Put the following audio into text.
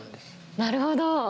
なるほど。